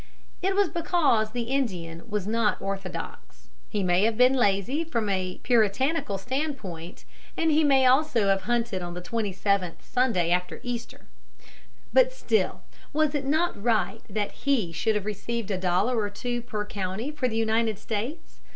It was because the Indian was not orthodox. He may have been lazy from a Puritanical stand point, and he may also have hunted on the twenty seventh Sunday after Easter; but still was it not right that he should have received a dollar or two per county for the United States?